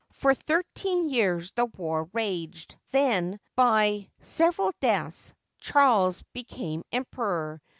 For thirteen years the war raged. Then, by several deaths, Charles became Emperor.